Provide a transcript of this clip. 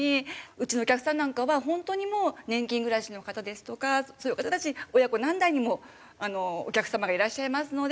うちのお客さんなんかはホントにもう年金暮らしの方ですとかそういう方たち親子何代にもお客様がいらっしゃいますので。